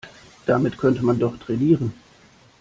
Damit könnte man doch trainieren.